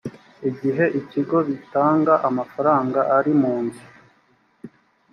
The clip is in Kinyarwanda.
igihe ikigo bitanga amafaranga ari mu nzu